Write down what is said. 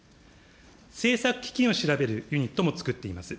政策基金を調べるユニットも作っています。